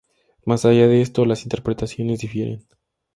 Más allá de esto, las interpretaciones difieren.